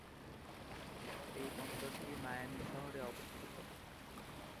এই বন্দরটি মায়ামি শহরে অবস্থিত।